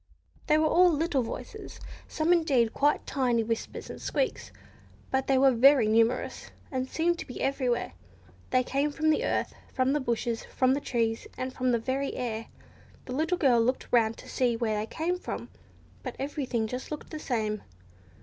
They were all little voices, some indeed quite tiny whispers and squeaks, but they were very numerous, and seemed to be everywhere. They came from the earth, from the bushes, from the trees, and from the very air. The little girl looked round to see where they came from, but everything looked just the same.